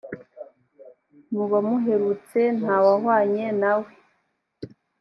mu bamuherutse nta wahwanye na we